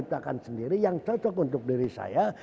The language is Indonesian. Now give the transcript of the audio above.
menciptakan sendiri yang cocok untuk diri saya